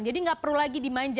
jadi nggak perlu lagi dimanja